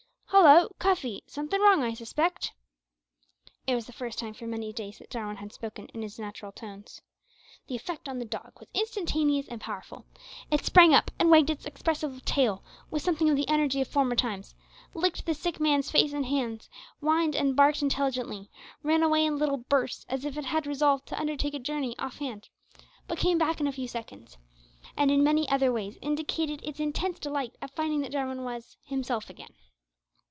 "Hallo! Cuffy, somethin' wrong I suspect!" It was the first time for many days that Jarwin had spoken in his natural tones. The effect on the dog was instantaneous and powerful. It sprang up, and wagged its expressive tail with something of the energy of former times; licked the sick man's face and hands; whined and barked intelligently; ran away in little bursts, as if it had resolved to undertake a journey off hand, but came back in a few seconds, and in many other ways indicated its intense delight at finding that Jarwin was "himself again."